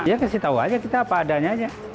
ya kasih tahu aja kita apa adanya aja